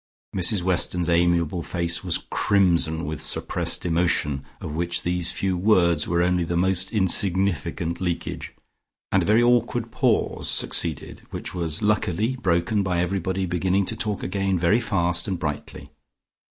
Mrs Weston's amiable face was crimson with suppressed emotion, of which these few words were only the most insignificant leakage, and a very awkward pause succeeded which was luckily broken by everybody beginning to talk again very fast and brightly.